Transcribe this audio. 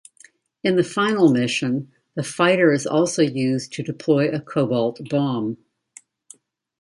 In the final mission, the fighter is also used to deploy a cobalt bomb.